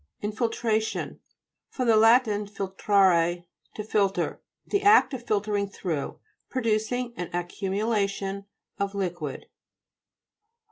INFILTRATION fr. lat. Jiltrare, to filter. The act of filtering through, producing an accumulation of li quid.